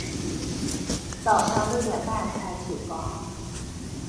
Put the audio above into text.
早上六点半才起床